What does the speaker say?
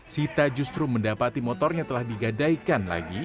sita justru mendapati motornya telah digadaikan lagi